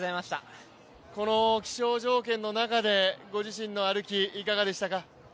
この気象条件の中でご自身の歩き、いかがでしたか。